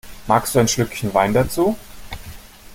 Magst du ein Schlückchen Wein dazu?